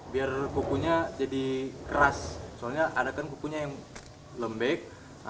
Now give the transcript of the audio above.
biar kukunya jadi keras soalnya adakan kukunya yang lembek